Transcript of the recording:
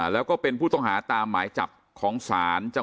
แล้วก็เป็นผู้ต้องหาตามหมายจับของสาร